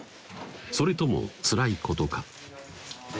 それともつらいことか？